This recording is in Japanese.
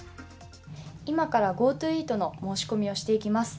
今からＧｏＴｏイートの申し込みをしていきます。